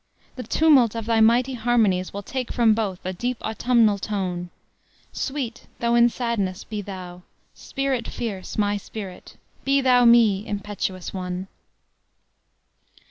The tumult of thy mighty harmonies Will take from both a deep autumnal tone. Sweet, though in sadness, be thou, Spirit fierce, My spirit! be thou me, impetuous one!"